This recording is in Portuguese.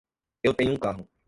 Eu tenho um carro.